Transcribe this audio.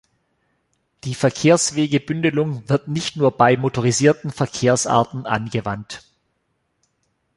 Die Verkehrswegebündelung wird nicht nur bei motorisierten Verkehrsarten angewandt.